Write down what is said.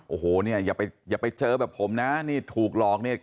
โอ้โหเนี่ยอย่าไปเจอแบบผมนะนี่ถูกหลอกเนี่ย